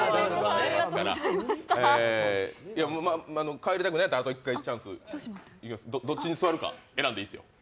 帰りたくないんやったらあと一回チャンス、どっちに座るか選んでいいですよ。